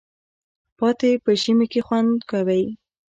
پاتې په ژمي کی خوندکوی